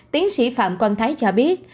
tiến sĩ phạm quang thái cho biết